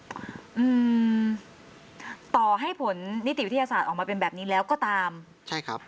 อืมต่อให้ผลนิติวิทยาศาสตร์ออกมาเป็นแบบนี้แล้วก็ตามใช่ครับ